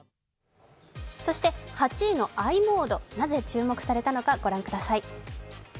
そして８位のｉモード、なぜ注目されたのか御覧ください。